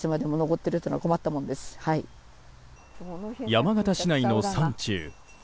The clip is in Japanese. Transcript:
山形市内の山中。